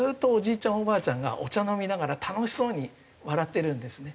おばあちゃんがお茶飲みながら楽しそうに笑ってるんですね。